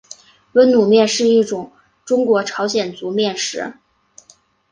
温卤面是一种中国朝鲜族面食。